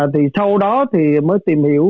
thì sau đó thì mới tìm hiểu